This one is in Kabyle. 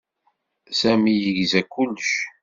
Sami yegza kullec.